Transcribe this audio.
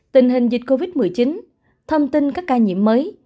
tình hình dịch covid một mươi chín thông tin các ca nhiễm mới